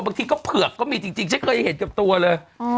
บางทีก็เผือกก็มีจริงฉันเคยเห็นกับตัวเลย